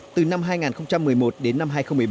từ năm hai nghìn một mươi một đến năm hai nghìn một mươi bảy